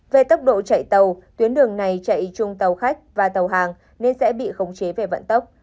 về tốc độ chạy tàu tuyến đường này chạy chung tàu khách và tàu hàng nên sẽ bị khống chế về vận tốc